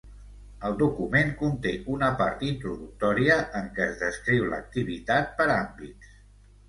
El document conté una part introductòria en què es descriu l'activitat per àmbits.